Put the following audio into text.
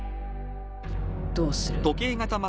どうする？